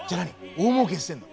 大もうけしてんの！？